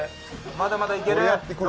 まだまだいける！